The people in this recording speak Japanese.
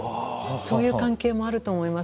そういう関係もあると思います。